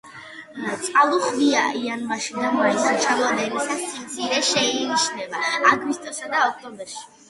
წყალუხვია იანვარში და მაისში, ჩამონადენის სიმცირე შეინიშნება აგვისტოსა და ოქტომბერში.